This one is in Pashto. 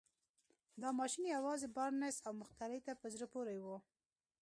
دا ماشين يوازې بارنس او مخترع ته په زړه پورې و.